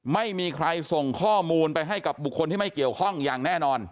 ไม่มีใครส่งข้อมูลไปให้กับบุคคลที่ไม่เกี่ยวข้องอย่างแน่นอน